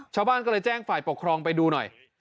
ชาวบ้านก็เลยแจ้งฝ่ายปกครองไปดูหน่อย